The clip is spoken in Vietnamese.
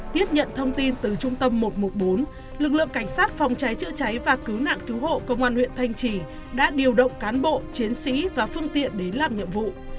tiếp nhận thông tin từ trung tâm một trăm một mươi bốn lực lượng cảnh sát phòng cháy chữa cháy và cứu nạn cứu hộ công an huyện thanh trì đã điều động cán bộ chiến sĩ và phương tiện đến làm nhiệm vụ